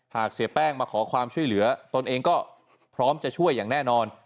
เสียแป้งมาขอความช่วยเหลือตนเองก็พร้อมจะช่วยอย่างแน่นอน